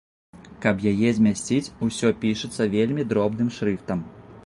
Каб яе змясціць, усё пішацца вельмі дробным шрыфтам.